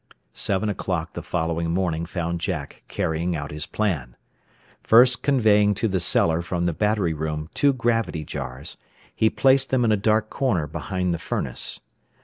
Seven o'clock the following morning found Jack carrying out his plan. First conveying to the cellar from the battery room two gravity jars, he placed them in a dark corner behind the furnace.